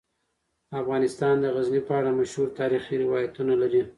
افغانستان د غزني په اړه مشهور تاریخی روایتونه لري.